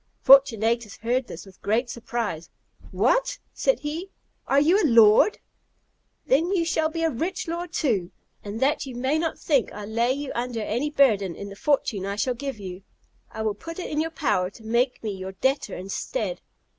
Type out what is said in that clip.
Fortunatus heard this with great surprise. "What!" said he, "are you a lord? Then you shall be a rich lord too. And that you may not think I lay you under any burden in the fortune I shall give you, I will put it in your power to make me your debtor instead.